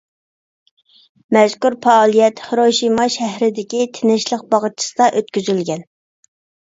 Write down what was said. مەزكۇر پائالىيەت خىروشىما شەھىرىدىكى تىنچلىق باغچىسىدا ئۆتكۈزۈلگەن.